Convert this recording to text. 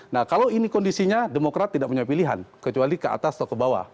nah kalau ini kondisinya demokrat tidak punya pilihan kecuali ke atas atau ke bawah